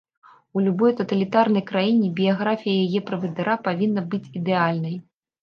У любой таталітарнай краіне біяграфія яе правадыра павінна быць ідэальнай.